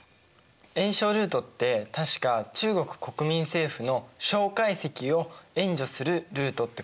援ルートって確か中国・国民政府の介石を援助するルートって意味ですよね。